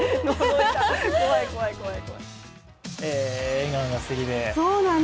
笑顔がすてきで。